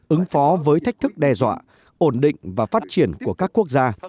ứng phó với thách thức đe dọa ổn định và phát triển của các quốc gia